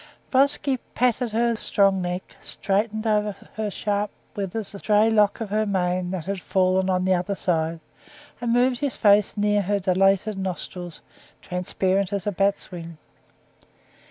Vronsky patted her strong neck, straightened over her sharp withers a stray lock of her mane that had fallen on the other side, and moved his face near her dilated nostrils, transparent as a bat's wing.